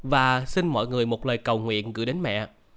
và xin mọi người một lời cầu nguyện gửi đến mẹ